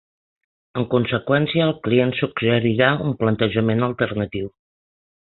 En conseqüència, el client suggerirà un plantejament alternatiu.